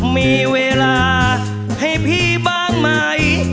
มีเวลาให้พี่บ้างไหม